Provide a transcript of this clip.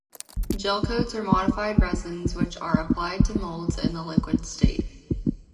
Gelcoats are modified resins which are applied to moulds in the liquid state.